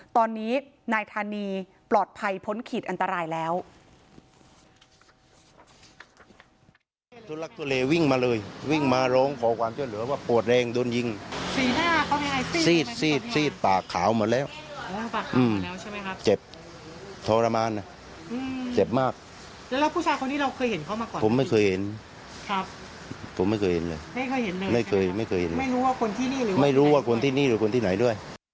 ตอนนี้นายธานีปลอดภัยพ้นขีดอันตรายแล้ว